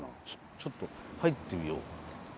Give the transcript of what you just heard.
ちょっと入ってみよう。